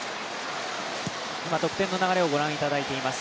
得点の流れをご覧いただいています。